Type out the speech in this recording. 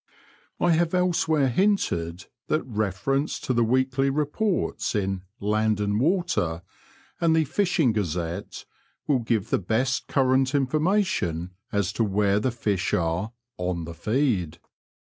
I have elsewhere hinted that reference to the weekly reports in Land and Water and the Fishing Gazette will give the best current information as to where the fish are on the feed."